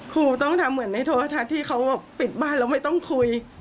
ครูต้องทำเหมือนในโทรทัศน์ที่เขาปิดบ้านแล้วไม่ต้องคุย